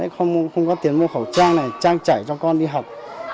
không có tiền mua khẩu trang này trang chảy cho con đi học